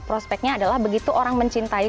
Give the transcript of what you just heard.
prospeknya adalah begitu orang mencintai